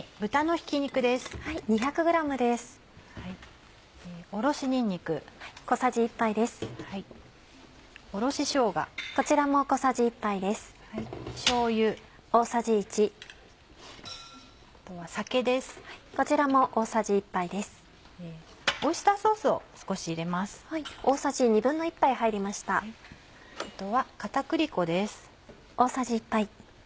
あとは片栗粉です。